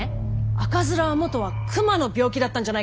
赤面は元は熊の病気だったんじゃないかって！